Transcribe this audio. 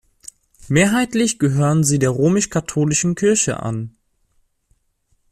Mehrheitlich gehören sie der römisch-katholischen Kirche an.